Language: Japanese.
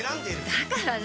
だから何？